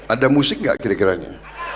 ada musik nggak kira kiranya